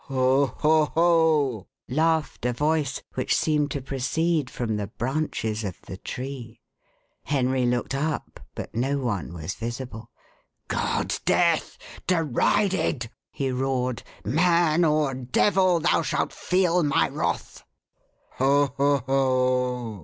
"Ho! ho! ho!" laughed a voice, which seemed to proceed from the branches of the tree. Henry looked up, but no one was visible. "God's death derided!" he roared. "Man or devil, thou shalt feel my wrath." "Ho! ho! ho!"